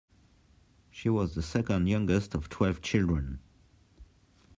She was the second youngest of twelve children.